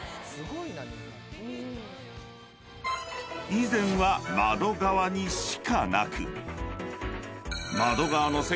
［以前は窓側にしかなく］